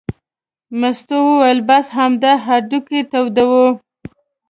مستو وویل: بس همدا هډوکي تودوه.